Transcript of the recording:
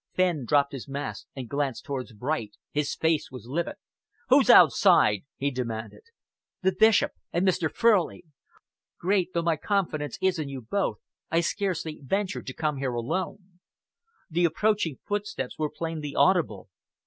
Fenn dropped his mask and glanced towards Bright. His face was livid. "Who's outside?" he demanded. "The Bishop and Mr. Furley. Great though my confidence is in you both, I scarcely ventured to come here alone." The approaching footsteps were plainly audible.